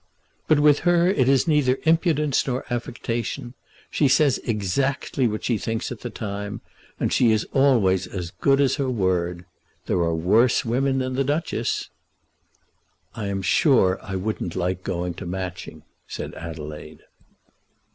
"But with her it is neither impudence nor affectation. She says exactly what she thinks at the time, and she is always as good as her word. There are worse women than the Duchess." "I am sure I wouldn't like going to Matching," said Adelaide.